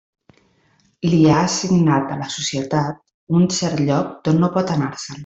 Li ha assignat en la societat un cert lloc d'on no pot anar-se'n.